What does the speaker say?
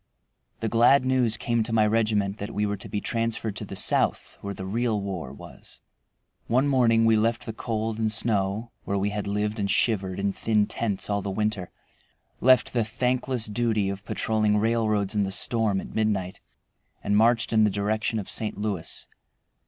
The glad news came to my regiment that we were to be transferred to the South, where the real war was. One morning we left the cold and snow, where we had lived and shivered in thin tents all the winter, left the thankless duty of patrolling railroads in the storm at midnight, and marched in the direction of St. Louis.